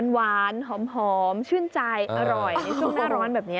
หวานหอมชื่นใจอร่อยในช่วงหน้าร้อนแบบนี้